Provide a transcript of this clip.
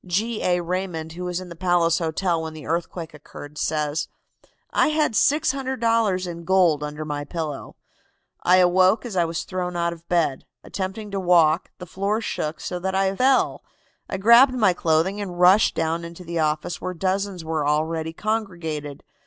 '" G. A. Raymond, who was in the Palace Hotel when the earthquake occurred, says: "I had $600 in gold under my pillow. I awoke as I was thrown out of bed. Attempting to walk, the floor shook so that I fell. I grabbed my clothing and rushed down into the office, where dozens were already congregated.